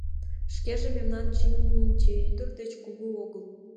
Шкеже мемнан Чинче ӱдыр деч кугу огыл.